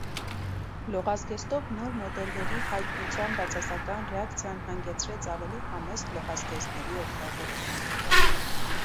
Լողազգեստով նոր մոդելների հայտնության բացասական ռեակցիան հանգեցրեց ավելի համեստ լողազգեստների օգտագործմանը։